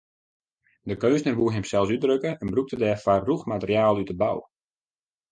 De keunstner woe himsels útdrukke en brûkte dêrfoar rûch materiaal út de bou.